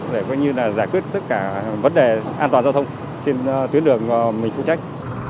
để giải quyết tất cả vấn đề an toàn giao thông trên tuyến đường mình phụ trách